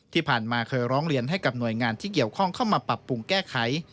ที่ผ่านมาเคยร้องเรียนให้กับหน่วยงานที่เกี่ยวข้องเข้ามาปรับปรุงแก้ไข